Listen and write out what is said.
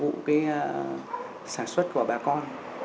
phục vụ cái sản xuất của bà con